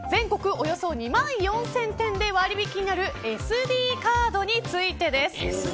およそ２万４０００店で割引になるＳＤカードについてです。